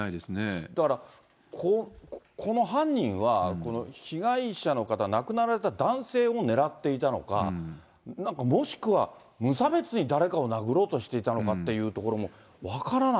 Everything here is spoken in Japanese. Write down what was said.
だから、この犯人はこの被害者の方、亡くなられた男性を狙っていたのか、なんかもしくは、無差別に誰かを殴ろうとしていたのかっていうところも分からない